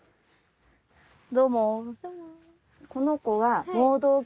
どうも。